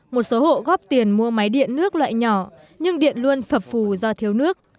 một số hộ góp tiền mua máy điện nước loại nhỏ nhưng điện luôn phập phù do thiếu nước